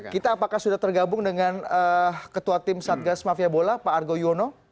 kita apakah sudah tergabung dengan ketua tim satgas mafia bola pak argo yono